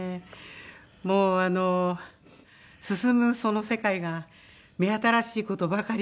もうあの進むその世界が目新しい事ばかりで。